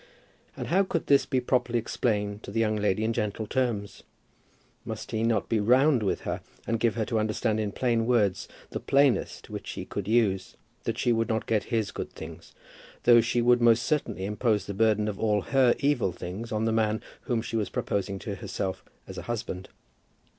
And how could this be properly explained to the young lady in gentle terms? Must he not be round with her, and give her to understand in plain words, the plainest which he could use, that she would not get his good things, though she would most certainly impose the burden of all her evil things on the man whom she was proposing to herself as a husband.